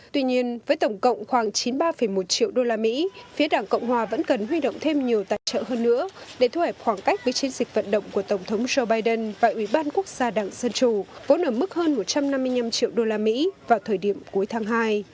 tuy nhiên với tổng cộng khoảng chín mươi ba một triệu usd phía đảng cộng hòa vẫn cần huy động thêm nhiều tài trợ hơn nữa để thu hẹp khoảng cách với chiến dịch vận động của tổng thống joe biden và ủy ban quốc gia đảng dân chủ vốn ở mức hơn một trăm năm mươi năm triệu đô la mỹ vào thời điểm cuối tháng hai